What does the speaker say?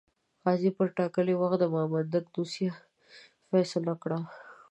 قاضي پر ټاکلي وخت د مامدک دوسیه فیصله کړه.